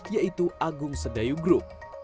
yaitu agung sedayugro